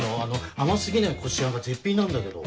甘過ぎないこしあんが絶品なんだけど。